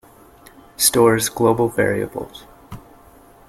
Stores global variables.